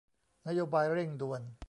นโยบายเร่งด่วน